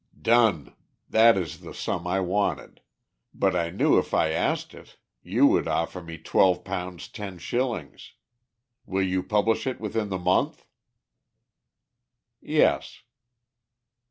"Done! That is the sum I wanted, but I knew if I asked it, you would offer me £12 10_s_. Will you publish it within the month?" "Yes."